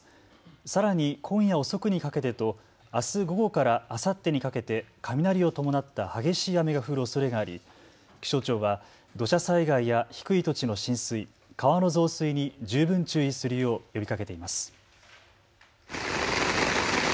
さらに今夜遅くにかけてとあす午後からあさってにかけて雷を伴った激しい雨が降るおそれがあり、気象庁は土砂災害や低い土地の浸水、川の増水に十分注意するよう呼びかけています。